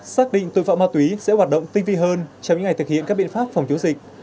xác định tội phạm ma túy sẽ hoạt động tinh vi hơn trong những ngày thực hiện các biện pháp phòng chống dịch